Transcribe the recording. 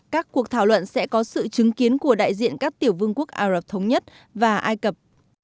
các cuộc thảo luận sẽ có sự chứng kiến của đại diện các tiểu vương quốc ả rập thống nhất và ai cập